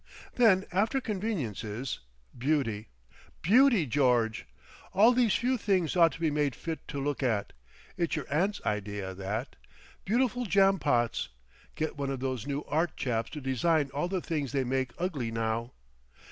Then after conveniences—beauty. Beauty, George! All these few things ought to be made fit to look at; it's your aunt's idea, that. Beautiful jam pots! Get one of those new art chaps to design all the things they make ugly now.